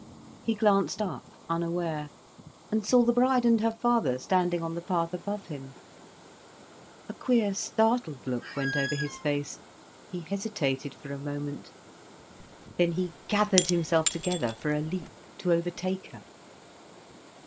He glanced up, unaware, and saw the bride and her father standing on the path above him. A queer, startled look went over his face. He hesitated for a moment. Then he gathered himself together for a leap, to overtake her.